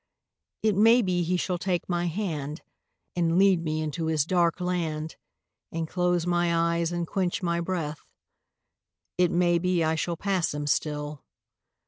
It may be he shall take my hand And lead me into his dark land And close my eyes and quench my breath — It may be I shall pass him still.